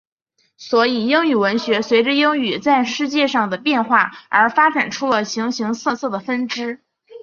所以英语文学随着英语在世界上的变化而发展出了形形色色的分支。